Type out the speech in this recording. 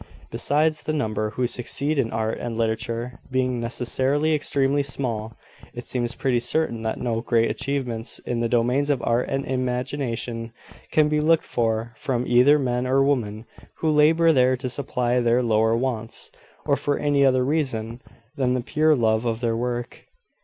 Besides the number who succeed in art and literature being necessarily extremely small, it seems pretty certain that no great achievements, in the domains of art and imagination, can be looked for from either men or women who labour there to supply their lower wants, or for any other reason than the pure love of their work.